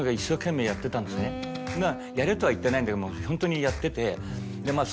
やれとは言ってないんだけどもホントにやってて。